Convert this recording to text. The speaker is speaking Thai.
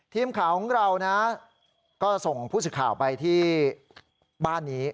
ทีมข่าวของเรานะก็ส่งผู้สื่อข่าวไปที่บ้านนี้